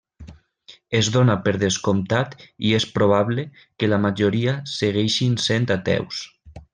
Es dóna per descomptat, i és probable, que la majoria segueixin sent ateus.